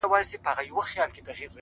• ورور او پلار وژني چي امر د سرکار وي ,